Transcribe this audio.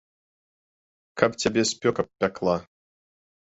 Каб цябе спёка пякла!